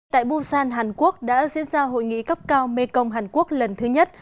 tại busan hàn quốc đã diễn ra hội nghị cấp cao mekong hàn quốc lần thứ nhất